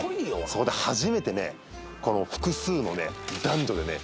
そこで初めてねこの複数のね男女でね